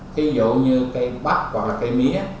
thí dụ như cây bắp hoặc là cây mía